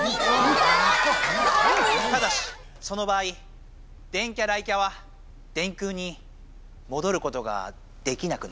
ただしその場合電キャ雷キャは電空にもどることができなくなる。